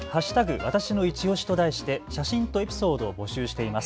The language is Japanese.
わたしのいちオシと題して写真とエピソードを募集しています。